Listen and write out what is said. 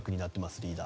リーダー。